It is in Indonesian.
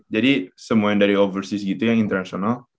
jadi semua yang dari overseas gitu yang internasional